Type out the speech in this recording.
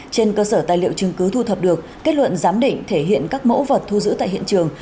trên cơ sở tài liệu chứng cứ thu thập được kết luận giám định thể hiện các mẫu vật thu giữ tại hiện trường